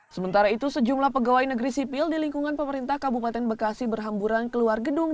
sementara itu sejumlah pegawai negeri sipil di lingkungan pemerintah kabupaten bekasi berhamburan keluar gedung